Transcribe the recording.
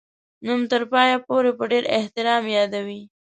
نوم تر پایه پوري په ډېر احترام یادوي.